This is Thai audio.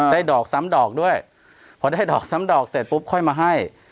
ดอกซ้ำดอกด้วยพอได้ดอกซ้ำดอกเสร็จปุ๊บค่อยมาให้